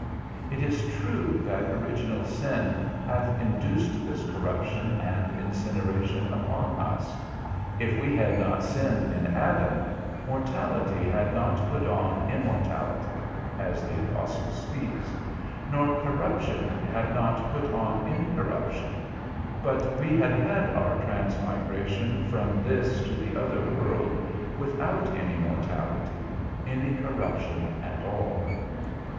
It is true that original sin hath induced this corruption and incineration upon us; if we had not sinned in Adam, mortality had not put on immortality (as the apostle speaks), nor corruption had not put on incorruption, but we had had our transmigration from this to the other world without any mortality, any corruption at all.